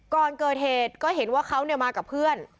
ก่อนเกิดเหตุก็เห็นว่าเขามากับเพื่อน